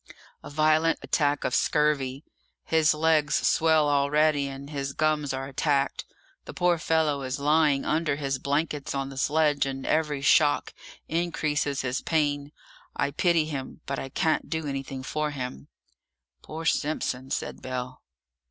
"A violent attack of scurvy. His legs swell already, and his gums are attacked; the poor fellow is lying under his blankets on the sledge, and every shock increases his pain. I pity him, but I can't do anything for him!" "Poor Simpson!" said Bell.